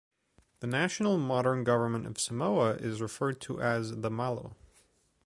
The national modern Government of Samoa is referred to as the "Malo".